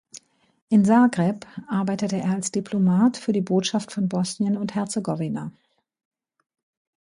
In Zagreb arbeitete er als Diplomat für die Botschaft von Bosnien und Herzegowina.